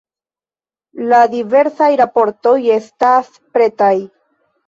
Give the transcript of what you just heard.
La diversaj raportoj estas pretaj!